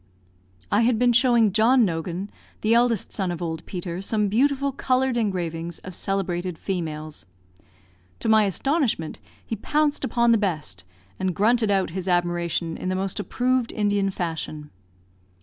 I had been showing John Nogan, the eldest son of old Peter, some beautiful coloured engravings of celebrated females; to my astonishment he pounced upon the best, and grunted out his admiration in the most approved Indian fashion.